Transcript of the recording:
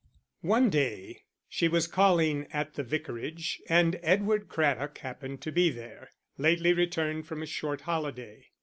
One day she was calling at the Vicarage and Edward Craddock happened to be there, lately returned from a short holiday.